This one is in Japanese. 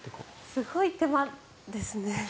すごい手間ですね。